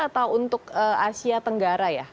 atau untuk asia tenggara ya